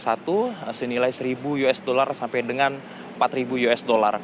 senilai seribu usd sampai dengan empat ribu usd